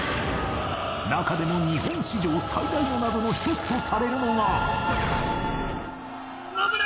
中でも日本史上最大の謎の一つとされるのが